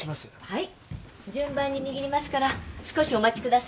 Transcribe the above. はい順番に握りますから少しお待ちください